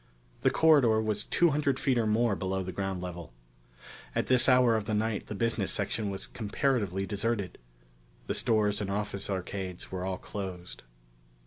The corridor was two hundred feet or more below the ground level. At this hour of the night the business section was comparatively deserted. The stores and office arcades were all closed.